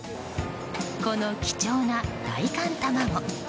この貴重な大寒卵。